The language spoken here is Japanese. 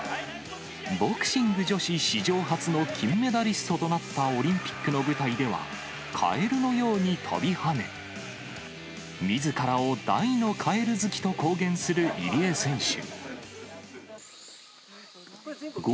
ボクシング女子史上初の金メダリストとなったオリンピックの舞台では、カエルのように跳びはね、みずからを大のカエル好きと公言する入江選手。